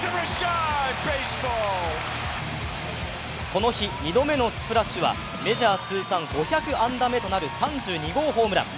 この日、２度目のスプラーッシュはメジャー通算５００安打目となる３２号ホームラン。